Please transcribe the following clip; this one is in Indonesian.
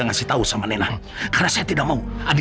kenapa tahu dia menceritakan diri tadi